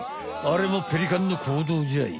あれもペリカンの行動じゃい。